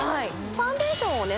ファンデーションをね